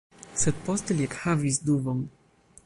Sed poste li ekhavis dubon.